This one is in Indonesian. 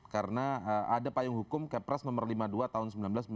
karena ada payung hukum kepres nomor lima puluh dua tahun seribu sembilan ratus sembilan puluh lima